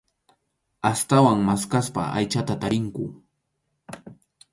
Astawan maskhaspa aychata tarinku.